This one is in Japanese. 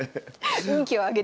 運気を上げて。